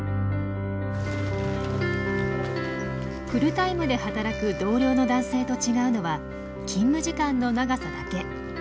フルタイムで働く同僚の男性と違うのは勤務時間の長さだけ。